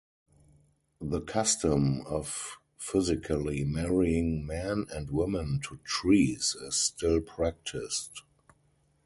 The custom of physically marrying men and women to trees is still practiced.